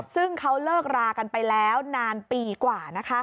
ซึ่งเขาเลิกรากันไปแล้วนานปีกว่า